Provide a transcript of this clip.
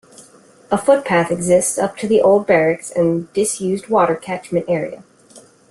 A footpath exists up to the old barracks and disused water catchment area.